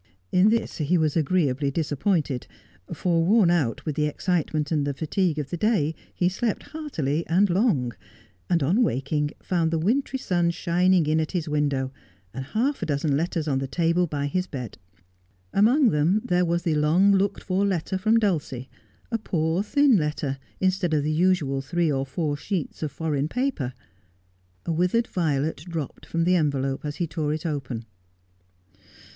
In this he was agreeably disappointed, for, worn out with the excitement and the fatigue of the day, he slept heartily and long, and on waking found the wintry sun shining in at his win dow, and half a dozen letters on the table by his bed. Among tbem there was the long looked for letter from Dulcie, a poor thin letter, instead of the usual three or four sheets of foreign paper. A withered violet dropped from the envelope as he tore it open.